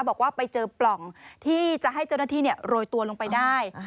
บอกว่าไปเจอปล่องที่จะให้เจ้าหน้าที่โรยตัวลงไปได้